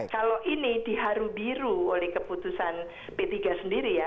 kalau ini diharu biru oleh keputusan p tiga sendiri ya